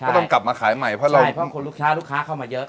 ก็ต้องกลับมาขายใหม่เพราะลูกค้าเข้ามาเยอะ